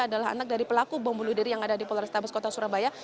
adalah anak dari pelaku bom bunuh diri yang ada di polrestabes kota surabaya